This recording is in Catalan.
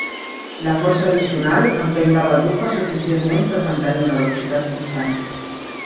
La força addicional empeny la baldufa suficientment per mantenir una velocitat constant.